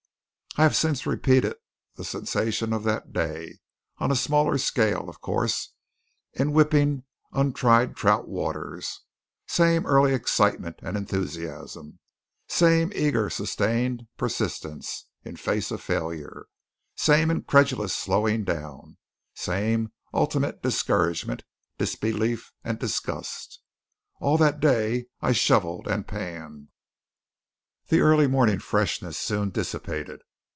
I have since repeated the sensations of that day on a smaller scale of course in whipping untried trout waters; same early excitement and enthusiasm, same eager sustained persistence in face of failure, same incredulous slowing down, same ultimate discouragement, disbelief and disgust. All that day I shovelled and panned. The early morning freshness soon dissipated.